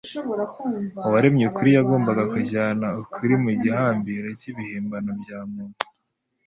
Uwaremye ukuri, yagombaga kujyana ukuri mu gihambiro cy'ibihimbano bya muntu,